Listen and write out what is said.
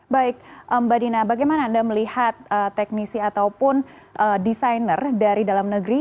baik mbak dina bagaimana anda melihat teknisi ataupun desainer dari dalam negeri